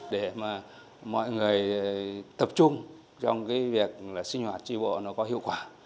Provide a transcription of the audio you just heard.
để mà mọi người tập trung trong việc sinh hoạt tri bộ nó có hiệu quả